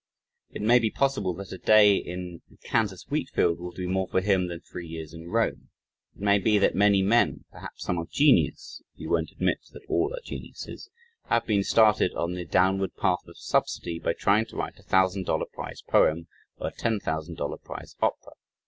It may be possible that a day in a "Kansas wheat field" will do more for him than three years in Rome. It may be, that many men perhaps some of genius (if you won't admit that all are geniuses) have been started on the downward path of subsidy by trying to write a thousand dollar prize poem or a ten thousand dollar prize opera.